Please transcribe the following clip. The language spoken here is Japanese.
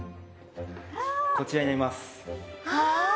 こちらになります。